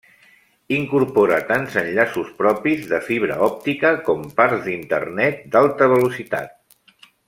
Incorpora tant enllaços propis de fibra òptica com parts d'Internet d'alta velocitat.